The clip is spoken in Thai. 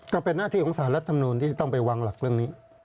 ก็เป็นหน้าที่ของสารรัฐมนูลที่จะต้องไปวางหลักเรื่องนี้